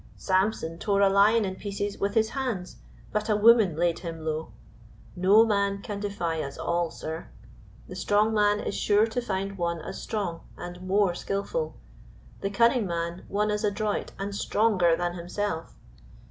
Samson tore a lion in pieces with his hands, but a woman laid him low. No man can defy us all, sir! The strong man is sure to find one as strong and more skillful; the cunning man one as adroit and stronger than himself.